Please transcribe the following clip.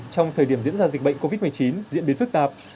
trong thời điểm diễn ra dịch bệnh covid một mươi chín diễn biến phức tạp